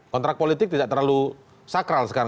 kontrak politik tidak terlalu sakral sekarang